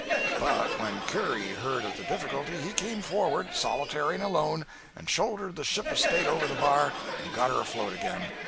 But when Curry heard of the difficulty, he came forward, solitary and alone, and shouldered the Ship of State over the bar and got her afloat again.